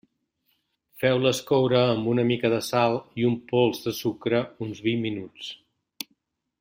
Feu-les coure amb una mica de sal i un pols de sucre uns vint minuts.